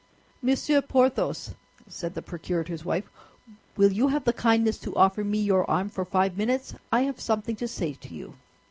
"Monsieur Porthos," said the procurator's wife, "will you have the kindness to offer me your arm for five minutes? I have something to say to you."